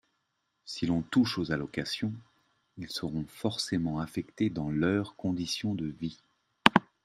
Si l’on touche aux allocations, ils seront forcément affectés dans leurs conditions de vie